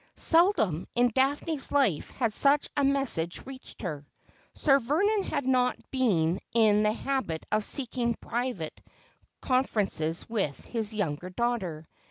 Seldom in Daphne's life had such a message reached her. Sir Vernon had not been in the habit of seeking private confer ences with his younger daughter.